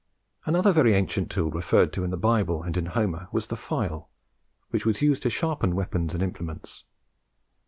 Another very ancient tool referred to in the Bible and in Homer was the File, which was used to sharpen weapons and implements.